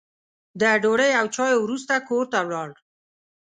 د ډوډۍ او چایو وروسته کور ته ولاړ.